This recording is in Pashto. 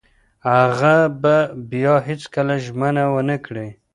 هغه به بیا هیڅکله ژمنه ونه کړي.